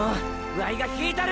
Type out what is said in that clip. ワイが引いたる！！